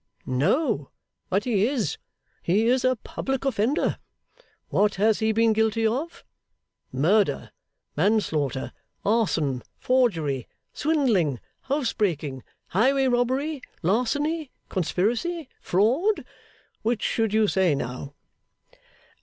'No. But he is. He is a public offender. What has he been guilty of? Murder, manslaughter, arson, forgery, swindling, house breaking, highway robbery, larceny, conspiracy, fraud? Which should you say, now?